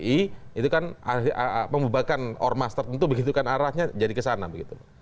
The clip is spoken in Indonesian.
itu kan pembubarkan ormas tertentu begitu kan arahnya jadi ke sana begitu